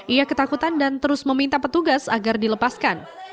ia ketakutan dan terus meminta petugas agar dilepaskan